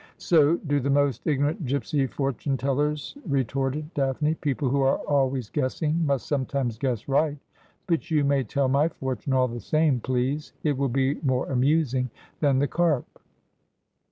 ' So do the most ignorant gipsy fortune tellers,' retorted Daphne. 'People who are always guessing must sometimes guess right. But you may tell my fortune all the same, please ; it will be more amusing than the carp.